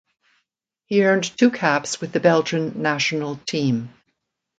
He earned two caps with the Belgian national team.